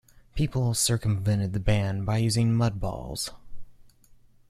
People circumvented the ban by using mud balls.